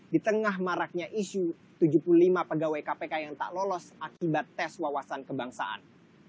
di tengah maraknya isu tujuh puluh lima pegawai kpk yang tak lolos akibat tes wawasan kebangsaan